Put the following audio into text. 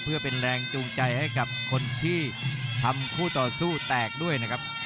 เพื่อเป็นแรงจูงใจให้กับคนที่ทำคู่ต่อสู้แตกด้วยนะครับ